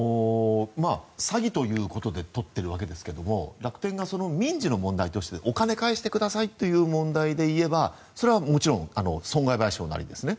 詐欺ということで取っているわけですが楽天が民事の問題としてお金を返してくださいという問題でいえばそれはもちろん損害賠償になりますね。